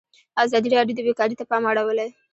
ازادي راډیو د بیکاري ته پام اړولی.